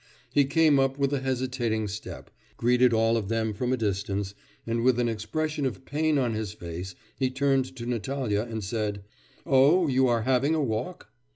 He came up with a hesitating step, greeted all of them from a distance, and with an expression of pain on his face he turned to Natalya and said: 'Oh, you are having a walk?